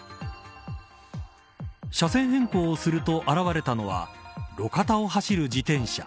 車線変更をすると現れたのは路肩を走る自転車。